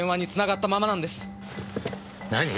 何！？